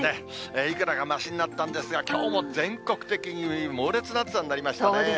いくらかましになったんですが、きょうも全国的に猛烈な暑さになりましたね。